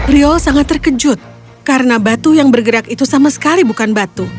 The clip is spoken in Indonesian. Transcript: rio sangat terkejut karena batu yang bergerak itu sama sekali bukan batu